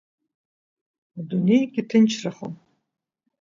Адунеигьы ҭынчрахон.